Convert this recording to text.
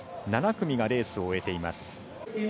７組がレースを終えています。